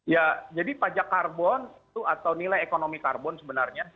ya jadi pajak karbon itu atau nilai ekonomi karbon sebenarnya